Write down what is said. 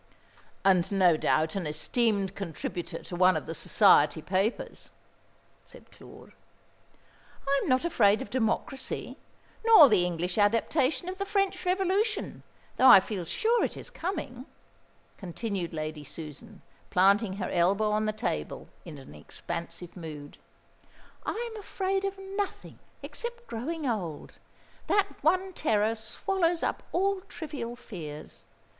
"And no doubt an esteemed contributor to one of the Society Papers," said Claude. "I am not afraid of Democracy, nor the English adaptation of the French Revolution, though I feel sure it is coming," continued Lady Susan, planting her elbow on the table in an expansive mood. "I am afraid of nothing except growing old. That one terror swallows up all trivial fears.